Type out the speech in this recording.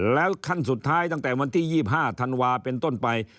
แล้วขั้นสุดท้ายตั้งแต่วันที่๒๕ธันวาเป็นต้นไป